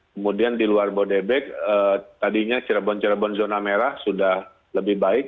kemudian di luar bodebek tadinya cirebon cirebon zona merah sudah lebih baik